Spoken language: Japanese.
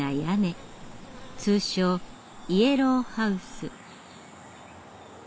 通称「イエローハウス」。